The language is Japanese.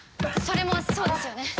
それもそうですよね。